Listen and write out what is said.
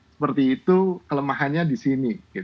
seperti itu kelemahannya di sini